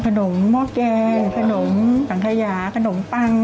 ขนมหม้กแยงขนมสังทรยาขนมปัง